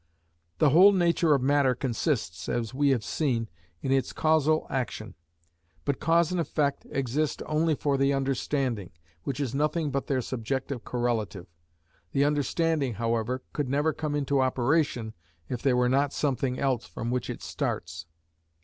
The whole nature of matter consists, as we have seen, in its causal action. But cause and effect exist only for the understanding, which is nothing but their subjective correlative. The understanding, however, could never come into operation if there were not something else from which it starts.